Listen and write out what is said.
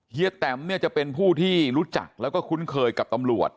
แตมเนี่ยจะเป็นผู้ที่รู้จักแล้วก็คุ้นเคยกับตำรวจ